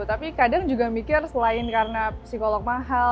tapi kadang juga mikir selain karena psikolog mahal